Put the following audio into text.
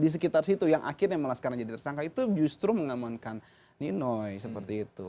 di sekitar situ yang akhirnya malah sekarang jadi tersangka itu justru mengamankan ninoy seperti itu